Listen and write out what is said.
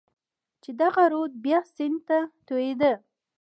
چې دغه رود بیا سیند ته توېېده.